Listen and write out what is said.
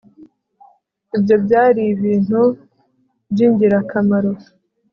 ibyo byari ibintu byingirakamaro